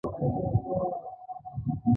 یو سل او نوي یمه پوښتنه د غیر مصرفي اجناسو ده.